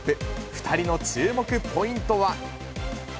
２人の注目ポイントは。